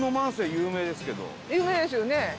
有名ですよね。